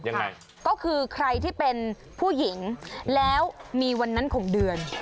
ยังไงก็คือใครที่เป็นผู้หญิงแล้วมีวันนั้นของเดือน